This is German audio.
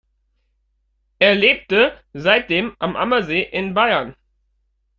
Er lebte seitdem am Ammersee in Bayern.